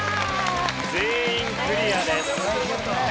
全員クリアです。